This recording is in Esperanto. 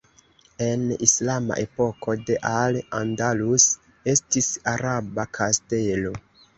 En islama epoko de Al Andalus estis araba kastelo.